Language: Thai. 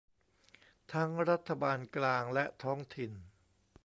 ทั้งรัฐบาลกลางและท้องถิ่น